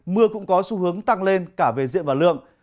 mưa cũng có xu hướng tăng lên cả về diện và lượng